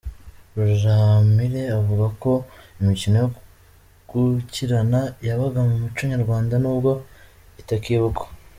Ruramire avuga ko imikino yo gukirana yabaga mu muco nyarwanda n’ubwo itakibukwa.